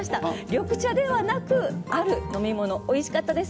緑茶ではなくある飲み物おいしかったです。